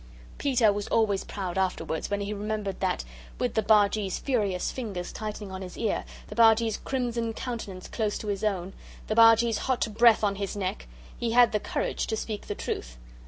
Peter was always proud afterwards when he remembered that, with the Bargee's furious fingers tightening on his ear, the Bargee's crimson countenance close to his own, the Bargee's hot breath on his neck, he had the courage to speak the truth.